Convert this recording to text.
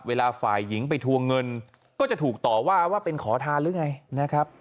เวลาฝ่ายหญิงไปทวงเงินก็จะถูกต่อว่าว่าเป็นขอทานหรือไงนะครับ